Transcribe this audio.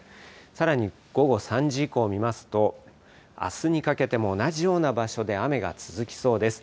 さらに午後３時以降を見ますと、あすにかけても同じような場所で雨が続きそうです。